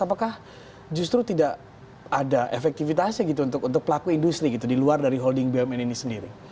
apakah justru tidak ada efektivitasnya gitu untuk pelaku industri gitu di luar dari holding bumn ini sendiri